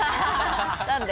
何で？